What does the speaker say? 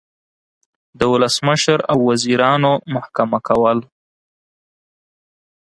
د ولسمشر او وزیرانو محکمه کول